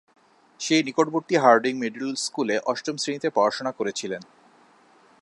সে নিকটবর্তী Harding middle স্কুলে অষ্টম শ্রেণীতে পড়াশোনা করেছিলেন।